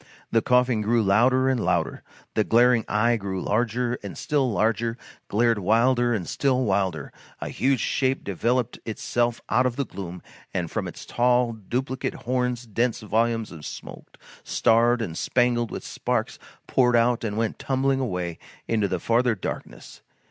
The coughing grew louder and louder, the glaring eye grew larger and still larger, glared wilder and still wilder. A huge shape developed itself out of the gloom, and from its tall duplicate horns dense volumes of smoke, starred and spangled with sparks, poured out and went tumbling away into the farther darkness.